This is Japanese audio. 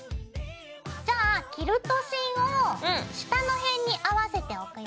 じゃあキルト芯を下の辺に合わせておくよ。